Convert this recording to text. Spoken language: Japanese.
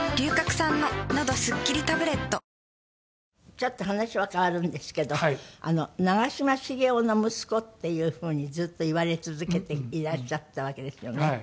ちょっと話は変わるんですけど「長嶋茂雄の息子」っていう風にずっと言われ続けていらっしゃったわけですよね。